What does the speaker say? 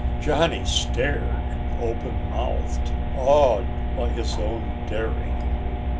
Johnny stared open mouthed, awed by his own daring.